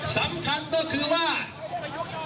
สำคัญก็คือว่า